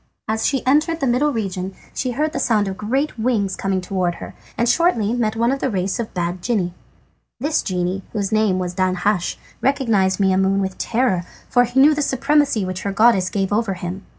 As she entered the middle region she heard the sound of great wings coming towards her, and shortly met one of the race of bad genii. This genie, whose name was Danhasch, recognised Maimoune with terror, for he knew the supremacy which her goodness gave her over him.